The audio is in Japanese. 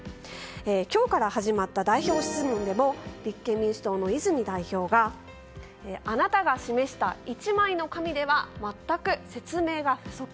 今日から始まった代表質問でも立憲民主党の泉代表があなたが示した１枚の紙では全く説明が不足。